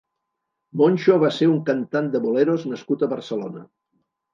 Moncho va ser un cantant de boleros nascut a Barcelona.